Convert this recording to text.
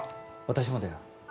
私もだよ。